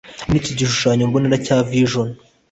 muri iki gishushanyombonera cya vizion